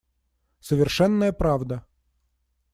Совершенная правда.